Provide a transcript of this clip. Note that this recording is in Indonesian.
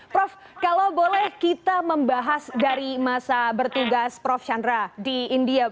prof kalau boleh kita membahas dari masa bertugas prof chandra di india